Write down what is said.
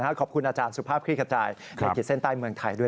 ขอบคุณอาจารย์สุภาพคลี่ขจายในขีดเส้นใต้เมืองไทยด้วย